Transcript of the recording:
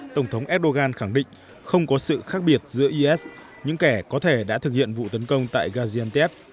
tổng thống erdogan khẳng định không có sự khác biệt giữa is những kẻ có thể đã thực hiện vụ tấn công tại gaziantiv